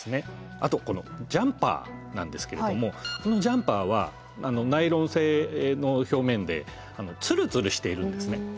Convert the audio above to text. あとこのジャンパーなんですけれどもこのジャンパーはナイロン製の表面でツルツルしているんですね。